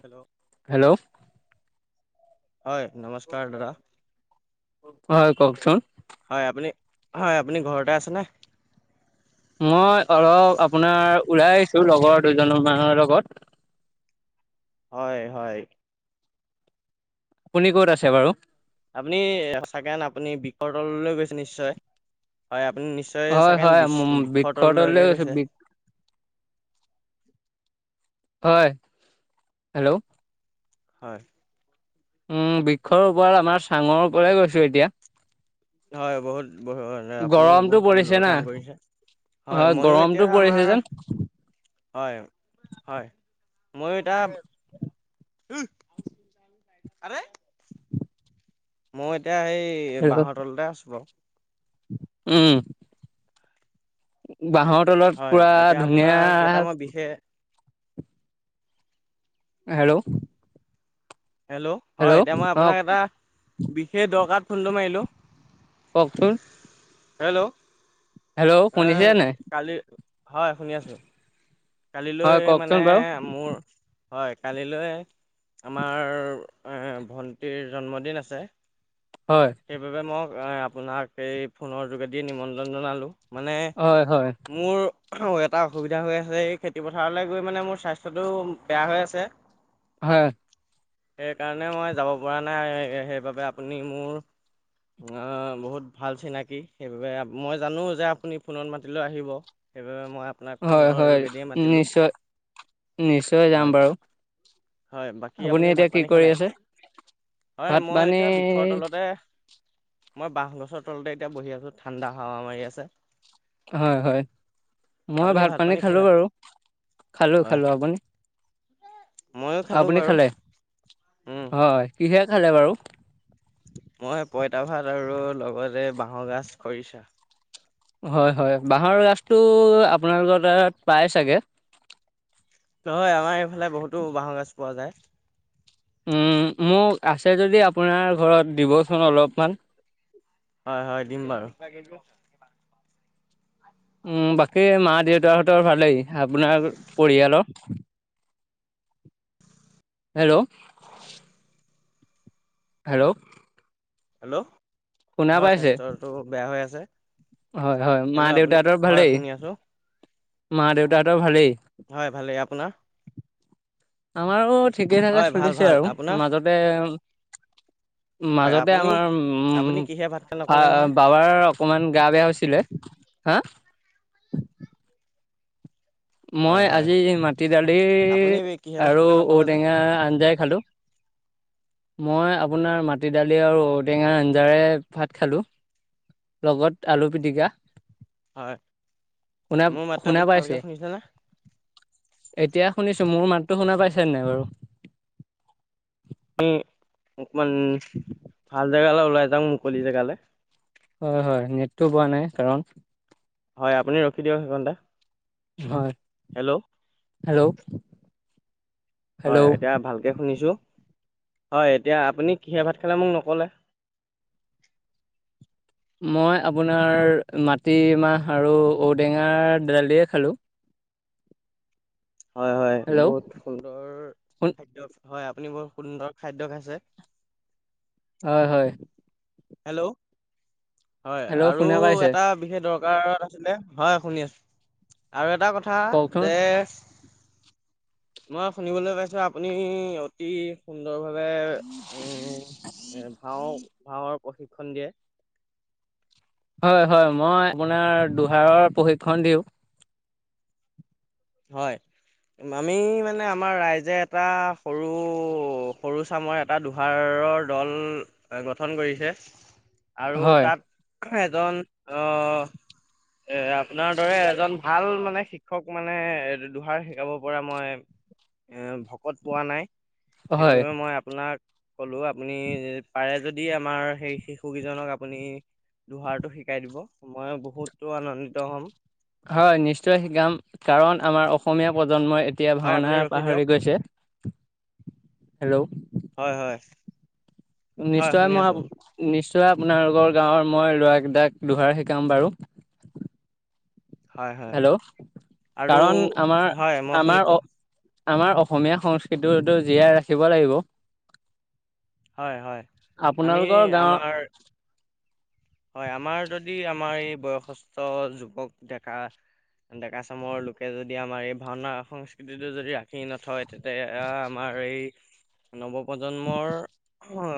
Hello? Hello? হয়, নমস্কাৰ দাদা। হয়, কওঁকচোন? হয় আপুনি, হয় আপুনি ঘৰতে আছেনে? মই অলপ আপোনাৰ ওলাই আহিছোঁ লগৰ দুজন মানৰ লগত। হয়-হয়। আপুনি ক'ত আছে বাৰু? আপুনি সচাকেন আপুনি বিষৰ তললৈ গৈছে নিশ্চয়? হয় আপুনি নিশ্চয় তই হয় হয় ছেকেণ্ড বিশ বৃক্ষ বৃক্ষৰ তললৈ তলৈকে গৈছে? গৈছো হয়। হেল্ল'? হয়। উম, বৃক্ষৰ ওপৰত আমাৰ চাঙৰ উপৰে গৈছোঁ এতিয়া। হয়, বহুত বহু আপুনি গৰমতটো বহুত পৰিছে সুন্দৰ না কাম কৰিছে। হয়, ময়ো এতিয়া গৰমতটো পৰিছে আমাৰ যেন হয়-হয়, মইও এতিয়া উম, আৰে? মই এতিয়া এই হেল্ল' বাঁহৰ তলতে আছোঁ বাৰু। উম। বাঁহৰ তলত হয় পুৰা এতিয়া আপোনাক এটা ধুনীয়া মই বিশেষ হেল্ল'? হেল্ল'? হয়, এতিয়া মই আপোনাক এটা বিশেষ দৰকাৰত ফোনটো মাৰিলোঁ। কওঁকচোন? হেল্ল'? এহ শুনিছে নাই কালি হয় শুনি আছোঁ। হয় কালিলৈ মানে কওকচোন বাৰু মোৰ হয়, কালিলৈ আমাৰ এ ভণ্টিৰ জন্মদিন আছে। হয়। সেইবাবে মই আপোনাক এই ফোনৰ যোগেদি নিমন্ত্ৰণ জনালোঁ, মানে হয় হয় মোৰ এটা অসুবিধা হৈ আছে এই খেতি পথাৰলৈ গৈ মানে মোৰ স্বাস্থ্যটো বেয়া হৈ আছে। উ [unintelligible] হয়। সেইকাৰণে মই যাব পৰা নাই, সেইবাবে আপুনি মোৰ আ, বহুত ভাল চিনাকি সেইবাবে মই জানোঁ যে আপুনি ফোনত মাতিলেও আহিব। সেইবাবে মই আপোনাক ফোনৰ হয়-হয় যোগেদিয়ে মাতিলোঁ নিশ্চয়, নিশ্চয় যাম হয় বাৰু। হয় বাকী আপুনি এতিয়া ভাত কি পানী কৰি খালে? আছে? হয় ভাত মই পানী এতিয়া বিষৰ তলতে মই বাঁহগছৰ তলতে এতিয়া বহি আছোঁ ঠাণ্ডা হাৱা মাৰি আছে। হয়-হয়। মই ভাত পানী খালোঁ বাৰু, হয় খালোঁ-খালোঁ, আপুনি? ময়ো খালোঁ আপুনি বাৰু, খালে উম। হয়, কিহেৰে খালে বাৰু? মই পঁইতা ভাত আৰু লগতে বাঁহৰ গাজ খৰিছা। হয়-হয়। বাঁহৰ গাছটো আপোনালোকৰ তাত পাই চাগে? হয়, আমাৰ এইফালে বহুতো বাঁহৰ গাজ পোৱা যায়। উম, মোক আছে যদি আপোনাৰ ঘৰত দিবচোন অলপমান? হয়-হয়, দিম বাৰু। উম, বাকী মা দেউতাহঁতৰ ভালেই আপোনাৰ পৰিয়ালৰ? হেল্ল'? হেল্ল'? হেল্ল'? শুনা হয় স্বাস্থ্যটো বেয়া হৈ আছে। হয়-হয়, মা হেল্ল' আপুনি দেউতাহঁতৰ হয় ভালেই? শুনি আছো মা দেউতাহতৰ ভালেই? হয়, ভালেই। আপোনাৰ? আমাৰো ঠিকেই থাকে হয় ভাল চলিছে ভাল আৰু আপোনাৰ? মাজতে হয় মাজতে আপুনি আমাৰ আপুনি কিহে ভাত খালে নকলে নহয় উম, বাবাৰ অকমান গা বেয়া হৈছিলে। হা? হয় মই হয় আজি মাটি দালি আপুনি কিহে ভাত আৰু খালে নকলে যে ঔটেঙা আঞ্জাই খালোঁ। মই আপোনাৰ মাটি দালি আৰু ঔটেঙা আঞ্জাৰে ভাত খালোঁ। লগত আলু পিটিকা। হয়। শুনা-শুনা পাইছে? শুনিছা নে? এতিয়া শুনিছো। মোৰ মাতটো শুনা পাইছানে নাই বাৰু? উম অকমান ভাল জেগালে ওলাই যাওঁ মুকলি জেগালে। হয়, হয় নেটটো পোৱা নাই। কাৰণ হয় আপুনি ৰখি দিয়ক সেইকণতে। হয়। Hello hello. হয় হেল্ল' এতিয়া ভালকৈ শুনিছো। হয়, এতিয়া আপুনি কিহে ভাত খালে মোক নক'লে। মই আপোনাৰ মাটিৰমাহ আৰু ঔটেঙাৰ দালিৰে খালোঁ। হয়, হয় হেল্ল' বহুত সুন্দৰ খাদ্য হয় আপুনি বহুত সুন্দৰ খাদ্য খাইছে। হয়, হয়। হেল্ল, হয় হেল্ল' আৰু শুনা পাইছে এটা বিশেষ দৰকাৰত আছিলে। হয়, শুনি আছো আৰু এটা কথ থা কওকচোন যে মই শুনিবলে পাইছো আপুনি অতি সুন্দৰভাৱে উম এ ভাও ভাওৰ প্ৰশিক্ষণ দিয়ে। হয়, হয়। মই আপোনাৰ দুহাৰৰ প্ৰশিক্ষণ দিওঁ। হয়। আমি মানে আমাৰ ৰাইজে এটা সৰু সৰু চামৰ এট টা দোহাৰৰ দল গঠন কৰিছে আৰু হয় তাত এজন অ এ আপোনাৰ দৰে এজন ভাল মানে শিক্ষক মা নে দোহাৰ শিকাব পৰা মই ভকত পোৱা নাই। হয় সেইবাবে মই আপোনাক ক'লো আপুনি পাৰে যদি আমাৰ সেই শিশু কিজনক আপুনি দোহাৰটো শিকাই দিব। মইও বহুতো আনন্দিত হম। হয়, নিশ্চয় শিকাম কাৰণ আমাৰ অসমীয়া প্ৰজন্মই এতিয়া হয় ভাওনা আপুনি ৰখি দিয়ক পাহৰি গৈছে। হেল্ল'। হয়, হয়। হয় নিশ্চয় শুনি মই আছো নিশ্চয় আপোনালোকৰ গাঁৱৰ মই ল'ৰাকিটাক দোহাৰ শিকাম বাৰু। হয় হয় হেল্ল', আৰু কাৰণ আমাৰ হয় মই আমাৰ অ শুনিছোঁ আমাৰ অসমীয়া সংস্কৃতিওটো জীয়াই ৰাখিব লাগিব। হয়, হয়। আমি আপোনালোকৰ গাঁৱৰ আমাৰ হয়, আমাৰ যদি আমাৰ এই বয়সস্থ যুৱক ডেকা ডেকাচামৰ লোকে যদি আমাৰ এই ভাওনা সংস্কৃতিটো যদি ৰা ৰাখি নথয় তেতিয়া আমাৰ এই নৱপ্ৰজন্মৰ অ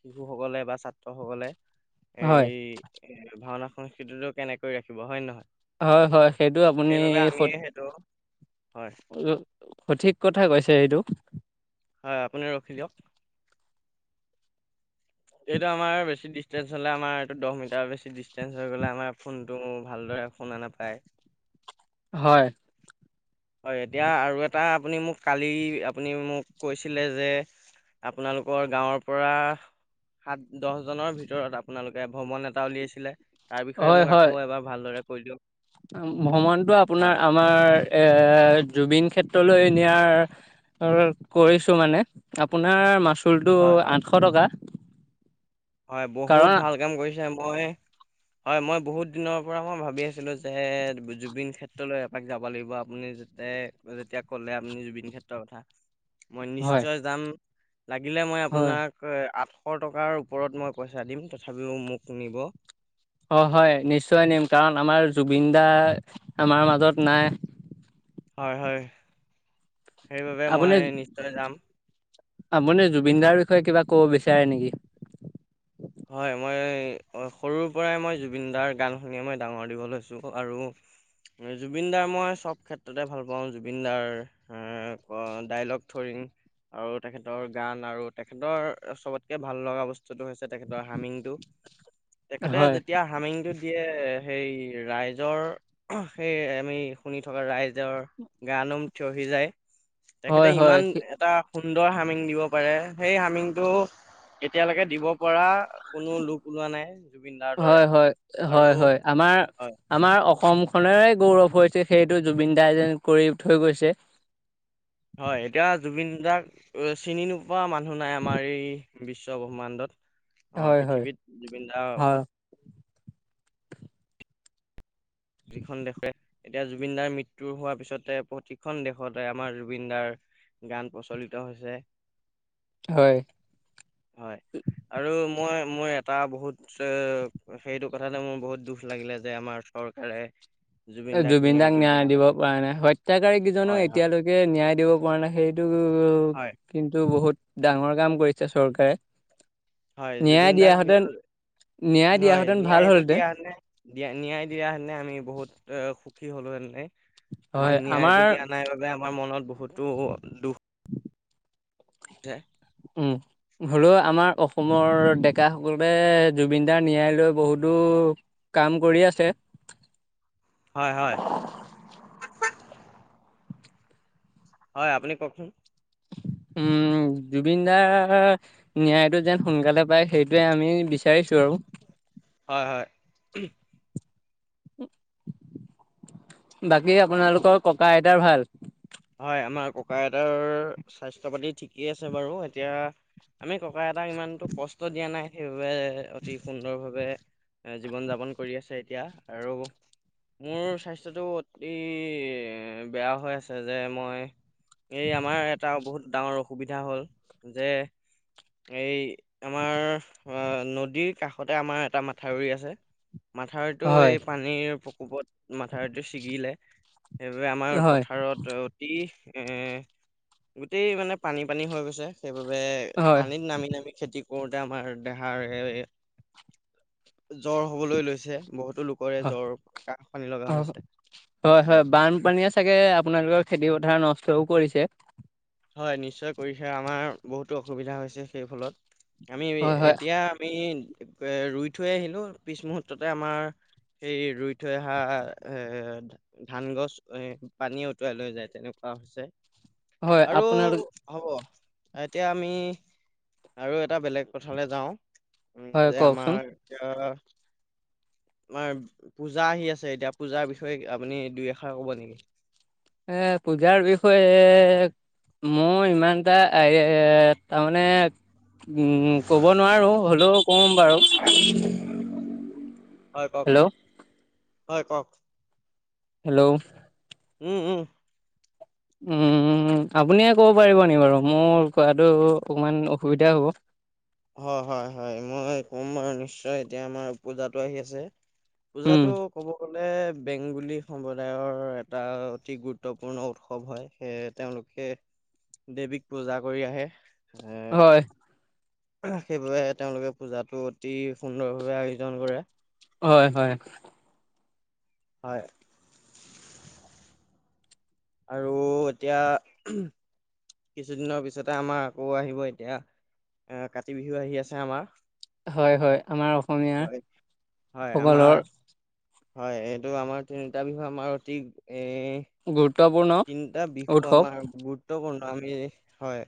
শিশুসকলে বা ছাত্ৰসকলে হয় এই ভাওনা সংস্কৃতিটো কেনেকৈ ৰাখিব হয় নে নহয়? হয় হয় সেইটো আপুনি সেইবাবে সত আমিয়ে সেইটো, হয়। সঠিক কথাই কৈছে এইটো। হয় আপুনি ৰখি দিয়ক। এইটো আমাৰ বেছি দিছ ডিঞ্চ হলে আমাৰটো দহ মিটাৰ বেছি ডিচটেন্ঞ্চ হৈ গ'লে আমাৰ ফোনটো ভালদৰে শুনা নাপায়। হয়। হয়, এতিয়া আৰু এটা আপুনি মোক কালি আপুনি মোক কৈছিলে যে আপোনালোকৰ গাঁৱৰ পৰা সাত, দহজনৰ ভিতৰত আপোনালোকে ভ্ৰমণ এটা উলিয়াইছিলে। তাৰ বিষয়ে হয় মোক হয় আকৌ এবাৰ ভালদৰে কৈ দিয়ক। ভ্ৰমণটো হয় আপোনাৰ আমাৰ এ জুবিন ক্ষেত্ৰলৈ নিয়াৰ [unintelligible] কৰিছো মানে, আপোনাৰ মাচুলটো হয় হয় আঠশ টকা। হয়, বহুত কাৰণ ভাল কাম কৰিছে। মই হয়, মই বহুত দিনৰ পৰা মই ভাবি আছিলো যে জুবিন ক্ষেত্ৰলৈ এপাক যাব লাগিব। আপুনি য যে যেতিয়া ক'লে আপুনি জুবিন ক্ষেত্ৰৰ কথা। মই হয় নিশ্চয় যাম। লাগিলে মই হয় আপোনাক আঠশ টকাৰ ওপৰত মই পইচা দিম, তথাপিও মোক নিব। অ, হয় নিশ্চয় নিম। কাৰণ আমাৰ জুবিন দা আমাৰ মাজত নাই। হয়, হয়। সেইবাবে আপুনি মই নিশ্চয় যাম। আপুনি জুবিন দাৰ বিষয়ে কিবা ক'ব বিচাৰে নেকি? হয়, মই সৰুৰ পৰাই মই জুবিন দাৰ গান শুনি মই ডাঙৰ-দীঘল হৈছোঁ আৰু জুবিন দাৰ মই চব ক্ষেত্ৰতে ভাল পাওঁ। জুবিন দাৰ [unintelligible] ডাইলগ থৰিম। আৰু তেখেতৰ গান আৰু তেখেতৰ চবতকে ভাল লগা বস্তুটো হৈছে তেখেতৰ হাৰ্মিংটো। তেখেতে হয় যেতিয়া হামিংটো দিয়ে সেই ৰাইজৰ সেই আমি শুনি থকা ৰাইজৰ গা নোম থিয়হি যায়। হয় তেখেতে হয় ইমান এটা সুন্দৰ হামিং দিব পাৰে, সেই হামিংটো এতিয়ালৈকে দিব পৰা কোনো লোক ওলোৱা নাই জুবিন দাৰ দৰে হয় হয় হয় আৰু হয় আমাৰ হয় আমাৰ অসমখনৰে গৌৰৱ হৈছে সেইটো জুবিন দাই যেন কৰি থৈ গৈছে। হয়, এতিয়া জুবিন দাক চিনি নোপোৱা মানুহ নাই আমাৰ এই বিশ্ব ব্ৰহ্মাণ্ডত। আমাৰ হয় হয় পৃথিৱীত জুবিনদাৰ হয় ওপৰত প্ৰতিখন দেশে এতিয়া জুবিন দাৰ মৃত্যু হোৱাৰ পিছতে প্ৰতিখন দেশতে আমাৰ জুবিন দাৰ গান প্ৰচলিত হৈছে। হয়। হয়, আৰু মই মই এটা বহুত সেইটো কথালে মোৰ বহুত দুখ লাগিলে যে আমাৰ চৰ কাৰে এ জুবিন দাক ন্যায়টো ন্যায় দিয়া দিব নাই। পৰা নাই, হত্যাকাৰী কেইজনক হয় হয় এতিয়ালৈকে ন্যায় দিব পৰা নাই। সেইটো হয় কিন্তু বহুত ডাঙৰ কাম কৰিছে চৰকাৰে। হয়, ন্যায় জুবিন দাক দিয়াহেঁতেন ন্যায় হয়, দিয়াহেঁতেন ভাল ন্যায়টো হ'লহেঁতেন দিয়া হেঁতেনে। দিয়া ন্যায় দিয়া হেতেনে আমি বহুত সুখী হ'লোহেতেনে। আমাক হয় ন্যায়টো আমাৰ দিয়া নাই বাবে আমাৰ মনত বহুতো দুখ। দে উম। হ'লেও আমাৰ অসমৰ ডেকাসকলে জুবিনদাৰ ন্যায় লৈ বহুতো কাম কৰি আছে। হয়, হয়। হয়, আপুনি কওঁকচোন। উম জুবিন দাৰ ন্যায় টো যেন সোনকালে পায়। সেইটোৱে আমি বিচাৰিছোঁ আৰু হয়, হয়। বাকী আপোনালোকৰ ককাঁ আইতাৰ ভাল। হয়, আমাৰ ককাঁ আইতাৰ স্বাস্থ্য পাতি ঠিকেই আছে বাৰু, এতিয়া আমি ককাঁ আইতাক ইমানতো কষ্ট দিয়া নাই, সেইবাবে অতি সুন্দৰভাৱে এ জীৱন যাপন কৰি আছে এতিয়া, আৰু মোৰ স্বাস্থ্যটো অতি বেয়া হৈ আছ যে মই, এই আমাৰ এটা বহুত ডাঙৰ অসুবিধা হ'ল, যে এই আমাৰ নদীৰ কাষতে আমাৰ এটা মাথাউৰি আছে। মাথাউৰিটো হয় এই পানীৰ প্ৰকোপত মাথাউৰিটো ছিগিলে। সেইবাবে আমাৰ হয় পথাৰত অতি এ গোটেই মানে পানী-পানী হৈ গৈছে। সেইবাবে হয় পানীত নামি- নামি খেতি কৰোতে আমাৰ দেহাৰ এ জ্বৰ হ'বলৈ লৈছে, বহুতো লোক চবৰে জ্বৰ কাহঁ পানি লগা হয় হৈছে, হয়। বানপানীয়ে চাগে আপোনালোকৰ খেতি পথাৰ নষ্টও কৰিছে। হয়, নিশ্চয় কৰিছে আমাৰ বহুতো অসুবিধা হৈছে সেই ফলত। আমি হয় হয় এতিয়া আমি ৰুই থৈ আহিলোঁ, পিছ মুহূৰ্ততে আমাৰ সেই ৰুই ৰুই থৈ অহা এ ধান গছ পানী উতুৱাই লৈ যায়, তেনেকুৱা হৈছে। হয় আৰু আপোনালোক হ'ব, এতিয়া আমি আৰু এটা বেলেগ পথাৰলে যাওঁ, উম, হয় যে কওকচোন আমাৰ এতিয়া আমাৰ পূজা আহি আছে এতিয়া, পূজাৰ বিষয়ে আপুনি দুই এষাৰ ক'ব নেকি। এ পূজাৰ বিষয়ে মোৰ ইমান এটা এ তাৰমানে উম, ক'ব নোৱাৰো, হ'লেও ক'ম বাৰু। হয় কওঁক, হেল্ল' হয় কওঁক। হেল্ল'। উম, উম। উম, আপুনিয়ে ক'ব পাৰিব নেকি‌ বাৰু, মোৰ কোৱাটো অকমান অসুবিধা হ'ব। হয়, হয়- হয় মই কম বাৰু নিশ্চয় এতিয়া আমাৰ পূজাটো আহি আছে। উম পূজাতো ক'ব গ'লে বেংগলী সম্প্ৰদায়ৰ এটা অতি গুৰুত্বপূৰ্ণ উৎসৱ হয়, সেয়ে তেওঁলোক সেই দেৱীক পূজা কৰি আহে, এ হয় সেইবাবে তেওঁলোকে পূজাটো অতি সুন্দৰভাৱে আয়োজন কৰে। হয়- হয়। হয়। আৰু এতিয়া কিছুদিনৰ পিছতে আমাৰ আকৌ আহিব এতিয়া, এ কাতি বিহু আহি আছে আমাৰ। হয় হয় আমাৰ অসমীয়া হয়-হয়, সকলৰ আমাৰ হয়, এইটো আমাৰ তিনিটা বিহু আমাৰ অতি এ গুৰুত্বপূৰ্ণ। তিনিটা বিহু উৎসৱ আমাৰ গুৰুত্বপূৰ্ণ আমি, হয়।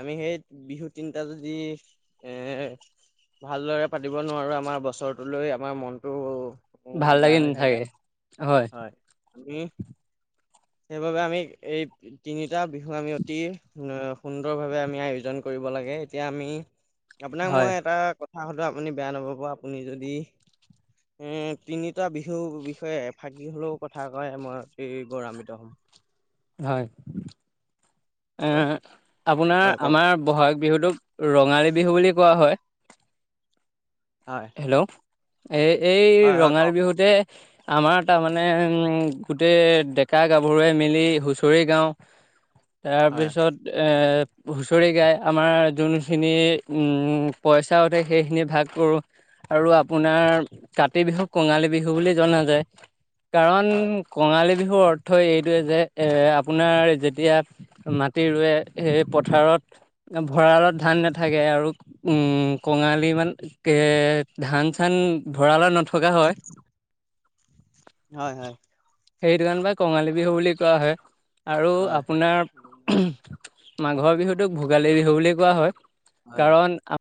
আমি সেই বিহু তিনিটা যদি এ ভালদৰে পাতিব নোৱাৰোঁ, আমাৰ বছৰটো লৈ আমাৰ মনটো ভাল উম, বেয়া লাগি হৈ থাকে, নাথাকে হয়, আমি সেইবাবে আমি এই তিনিটা বিহু আমি অতি অ সুন্দৰভাৱে আমি আয়োজন কৰিব লাগে, এতিয়া আমি আপোনাক হয় মই এটা কথা সুধো, আপুনি বেয়া নাপাব আপুনি যদি উম, তিনিটা বিহুৰ বিষয়ে এফাকি হ'লেও কথা কয় মই অতি গৌৰাম্বিত [inaudible] হয়, এ হেল্ল' আপোনাৰ হয় কওক আমাৰ বহাগ বিহুটোক ৰঙালী বিহু বুলি কোৱা হয়। হয়। হেল্ল', এই- এই হয় হয় ৰঙালী কওক বিহুতে আমাৰ তাৰমানে গোটেই ডেকা গাভৰুৱে মিলি হুঁচৰি গাও। [inaudible] তাৰপিছত এ হুঁচৰি গায়, আমাৰ যোনখিনি উম, পইচা উঠে সেইখিনি ভাগ কৰোঁ। আৰু আপোনাৰ কাতি বিহুক কঙালী বিহু বুলি জনা যায়, কাৰণ হয় কঙালী বিহুৰ অৰ্থ এইটোৱে যে, এ আপোনাৰ যেতিয়া মাটি ৰুৱে সেই পথাৰত ভঁৰালত ধান নাথাকে, আৰু উম, কঙালী ইমান এ ধান চান ভৰালত নথকা হয়। হয়-হয়। সেইটো কাৰণ পাই কঙালী বিহু বুলি কোৱা হয়, আৰু হয় আপোনাৰ মাঘৰ বিহুতোক ভোগালী বিহু বুলি কোৱা হয়, হয়। কাৰণ আ